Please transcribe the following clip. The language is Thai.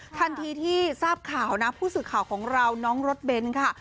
ทันทีที่ทราบข่าวนะผู้สื่อข่าวของเราน้องรถเบนท์ค่ะ